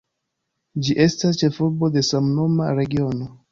Ĝi estas ĉefurbo de samnoma regiono.